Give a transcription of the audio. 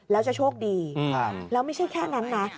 แล้วจะโชคดีแล้วไม่ใช่แค่นั้นนะ